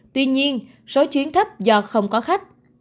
tuy nhiên số chuyến thấp do không có khách